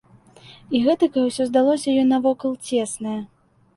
І гэтакае ўсё здалося ёй навокал цеснае!